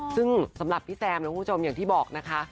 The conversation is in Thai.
ซึ่งสำหรับพี่แซมนะคุณผู้ชมอย่างที่บอกนะคะ